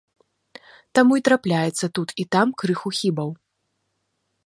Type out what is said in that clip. Таму й трапляецца тут і там крыху хібаў.